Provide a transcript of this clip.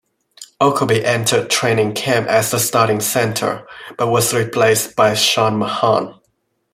Okobi entered training camp as the starting center, but was replaced by Sean Mahan.